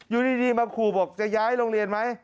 อยู่ดีมาขู่บอกจะย้ายโรงเรียนไหม